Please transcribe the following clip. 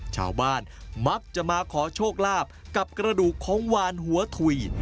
ชาวบ้านมักจะมาขอโชคลาภกับกระดูกของวานหัวถุย